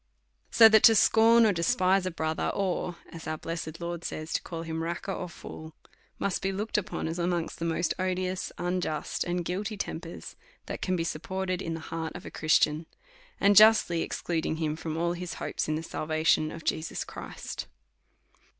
So that to scorn or despise a brother, or, as our blessed Lord says, to call him Raca or Fool, must be looked upoj3, as amongst the most odious, unjust, and guilty tempers, that can be support ed in the heart of a Christian, and justly excluding him from all his hopes in the salvation of Jesus Christ.